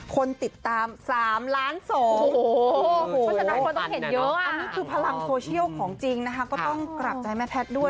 คนติดตาม๓ล้านสองอันนี้คือพลังโซเชียลของจริงนะฮะก็ต้องกลับใจแม่แพทย์ด้วย